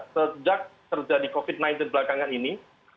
sejak terjadi covid sembilan belas belakangan ini